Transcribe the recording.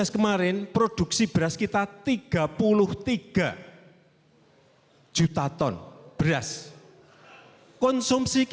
dua ribu delapan belas kemarin produksi beras kita tiga puluh tiga juta ton beras